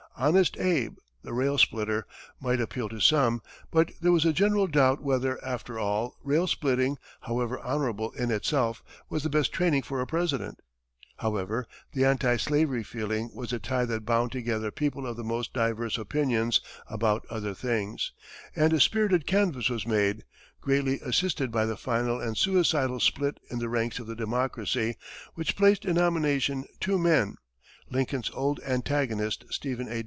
"Honest Abe, the Rail Splitter," might appeal to some, but there was a general doubt whether, after all, rail splitting, however honorable in itself, was the best training for a President. However, the anti slavery feeling was a tie that bound together people of the most diverse opinions about other things, and a spirited canvass was made, greatly assisted by the final and suicidal split in the ranks of the Democracy, which placed in nomination two men, Lincoln's old antagonist, Stephen A.